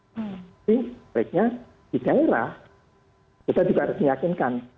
jadi sebaiknya di daerah kita juga harus diyakinkan